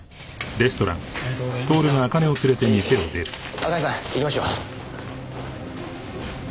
茜さん行きましょう。